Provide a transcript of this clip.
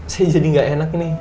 saya jadi gak enak nih